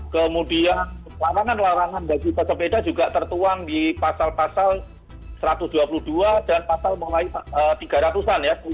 kemudian larangan larangan bagi pesepeda juga tertuang di pasal pasal satu ratus dua puluh dua dan pasal mulai tiga ratus an ya